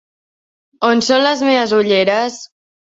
On són les meves ulleres?